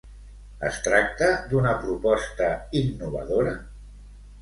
Es tracta d'una proposta innovadora?